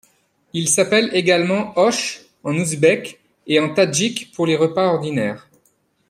Il s'appelle également osh en ouzbek et en tadjik, pour les repas ordinaires.